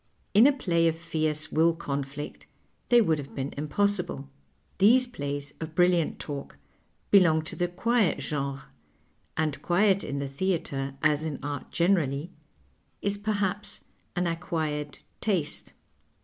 In a play of fierce will eonlliet they would have been impossible. These plays of brilliant talk belong to the qnict genre, and quiet in the theatre, as in art generally, is pcrlia{)S an acquired taste.